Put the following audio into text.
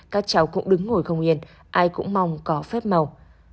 các cháu cũng đứng ngồi không yên ai cũng mong có phép màu